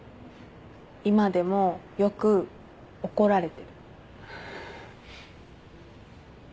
今でもよく怒られてる。